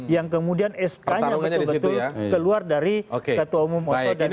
yang kemudian sk nya betul betul keluar dari ketua umum mosul dan sekja